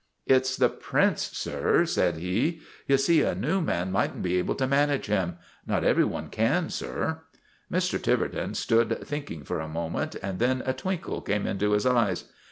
" It 's the Prince, sir," said he. " You see a new STRIKE AT TIVERTON MANOR 141 man might n't be able to manage him. Not every one can, sir." Mr. Tiverton stood thinking for a moment, and then a twinkle came into his eyes.